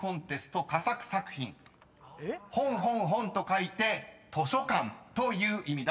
［本本本と書いて「図書館」という意味だそうです］